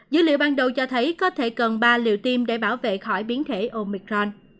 dữ liệu ban đầu cho thấy có thể cần ba liều tiêm để bảo vệ khỏi biến thể omicron